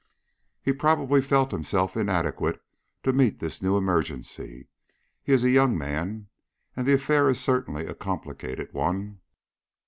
"He probably felt himself inadequate to meet this new emergency. He is a young man, and the affair is certainly a complicated one."